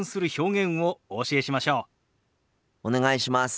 お願いします。